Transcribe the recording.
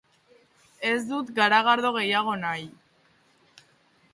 Ez dut garagardo gehiago nahi.